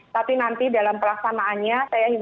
tapi nanti dalam pelaksanaannya